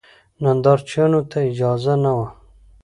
نندارچیانو ته اجازه نه وه.